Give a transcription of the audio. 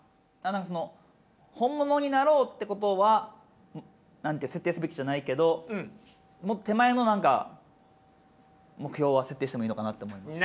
その本物になろうってことは設定すべきじゃないけどもっと手前の何か目標は設定してもいいのかなと思いました。